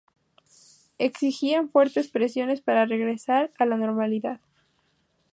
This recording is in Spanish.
Existían fuertes presiones para "regresar a la normalidad".